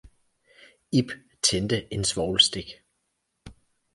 Ib tændte en svovlstik